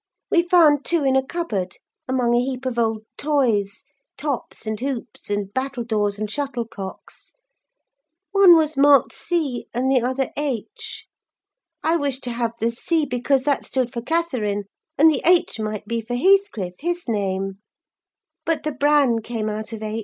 We found two in a cupboard, among a heap of old toys, tops, and hoops, and battledores and shuttlecocks. One was marked C., and the other H.; I wished to have the C., because that stood for Catherine, and the H. might be for Heathcliff, his name; but the bran came out of H.